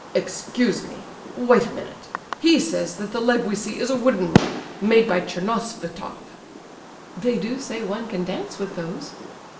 "Excuse me—wait a minute—he says that the leg we see is a wooden one, made by Tchernosvitoff." "They do say one can dance with those!"